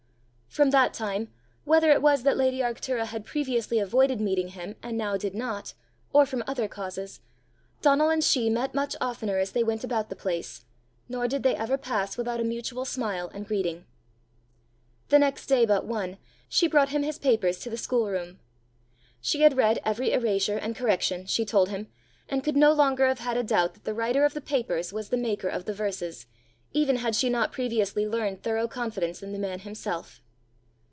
From that time, whether it was that lady Arctura had previously avoided meeting him and now did not, or from other causes, Donal and she met much oftener as they went about the place, nor did they ever pass without a mutual smile and greeting. The next day but one, she brought him his papers to the schoolroom. She had read every erasure and correction, she told him, and could no longer have had a doubt that the writer of the papers was the maker of the verses, even had she not previously learned thorough confidence in the man himself.